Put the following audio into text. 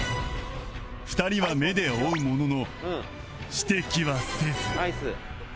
２人は目で追うものの指摘はせず